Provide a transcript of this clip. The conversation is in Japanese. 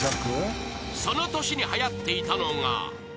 ［その年にはやっていたのが］